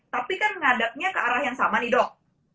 tapi kan ngadapnya ke arah yang sama nih dok